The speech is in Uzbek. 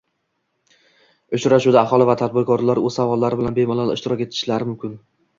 Uchrashuvda aholi va tadbirkorlar o'z savollari bilan bemalol ishtirok etishlari mumkin.